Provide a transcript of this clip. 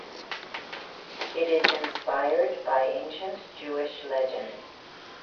It is inspired by ancient Jewish legend.